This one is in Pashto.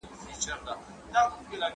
د نړۍ د خلګو نېکمرغي په اتحاد کي ده.